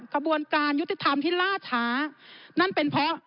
กระบวนการยุติธรรมที่ล่าช้านั่นเป็นเพราะ